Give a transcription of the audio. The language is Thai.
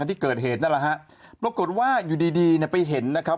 ที่เกิดเหตุนั่นแหละฮะปรากฏว่าอยู่ดีดีเนี่ยไปเห็นนะครับ